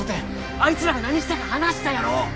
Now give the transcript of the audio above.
あいつらが何したか話したやろ！